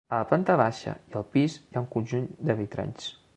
A la planta baixa i al pis hi ha un conjunt de vitralls.